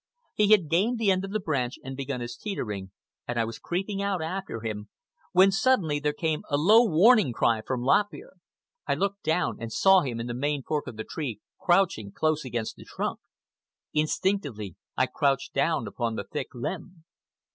He had gained the end of the branch and begun his teetering, and I was creeping out after him, when suddenly there came a low warning cry from Lop Ear. I looked down and saw him in the main fork of the tree crouching close against the trunk. Instinctively I crouched down upon the thick limb.